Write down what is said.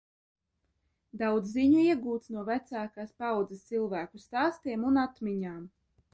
Daudz ziņu iegūts no vecākās paaudzes cilvēku stāstiem un atmiņām.